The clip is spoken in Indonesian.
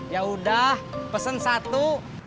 yaudah pesen satu